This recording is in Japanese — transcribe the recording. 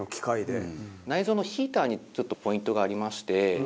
内蔵のヒーターにちょっとポイントがありまして。